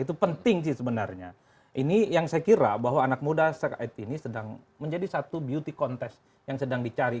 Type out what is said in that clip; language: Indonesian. itu penting sih sebenarnya ini yang saya kira bahwa anak muda saat ini sedang menjadi satu beauty contest yang sedang dicari